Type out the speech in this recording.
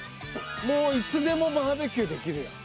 もういつでもバーベキューできるやん。